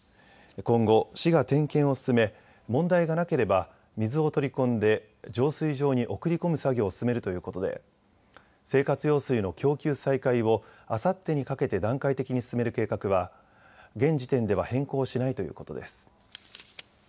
今後、市が点検を進め問題がなければ水を取り込んで浄水場に送り込む作業を進めるということで生活用水の供給再開をあさってにかけて段階的に進める計画は現時点では変更しないということです。